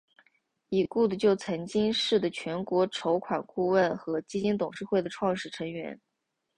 已故的就曾经是的全国筹款顾问和基金董事会的创始成员。